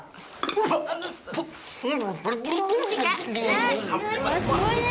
うわーすごいね。